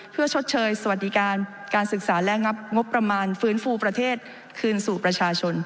เพื่อชดเชยสวัสดิการการศึกษาและงับงบประมาณฟื้นฟูประเทศคืนสู่ประชาชน